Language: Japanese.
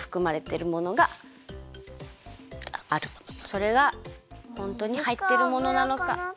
それがホントにはいってるものなのか。